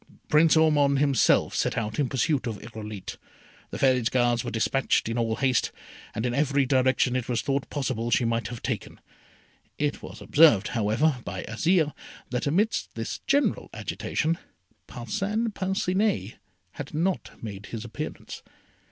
Prince Ormond himself set out in pursuit of Irolite. The Fairy's Guards were despatched in all haste, and in every direction it was thought possible she might have taken. It was observed, however, by Azire, that amidst this general agitation, Parcin Parcinet had not made his appearance.